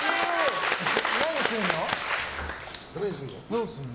何するの？